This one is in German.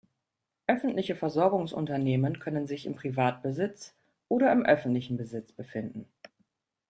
Öffentliche Versorgungsunternehmen können sich im Privatbesitz oder im öffentlichen Besitz befinden.